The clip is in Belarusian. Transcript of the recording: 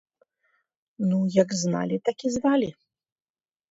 Ну, як зналі, так і звалі.